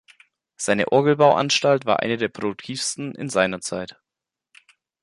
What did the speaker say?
Seine Orgelbau-Anstalt war eine der produktivsten in seiner Zeit.